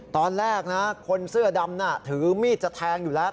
ตอนแรกนะคนเสื้อดำน่ะถือมีดจะแทงอยู่แล้ว